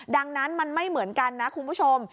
ดังนั้นมันไม่เหมือนกันนะคุณผู้ชม